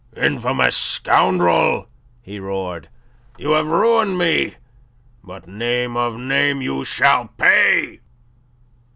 "Infamous scoundrel!" he roared. "You have ruined me! But, name of a name, you shall pay!"